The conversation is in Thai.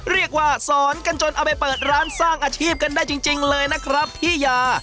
เรียกว่าสอนกันจนเอาไปเปิดร้านสร้างอาชีพกันได้จริงเลยนะครับพี่ยา